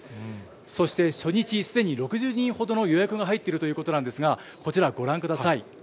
そして初日、すでに６０人ほどの予約が入っているということなんですが、こちらご覧ください。